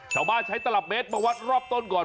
ชาวบ้านใช้ตลับเบชระวัดรอบต้นก่อน